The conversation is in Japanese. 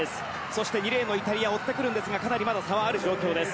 そして、２レーンのイタリアが追ってくるんですがかなりまだ差はある状況です。